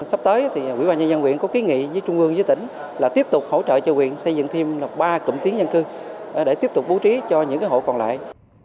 sắp tới thì quỹ bà nhân dân nguyện có ký nghị với trung ương với tỉnh là tiếp tục hỗ trợ cho nguyện xây dựng thêm ba cường tí dân cư để tiếp tục bố trí cho những hộ còn lại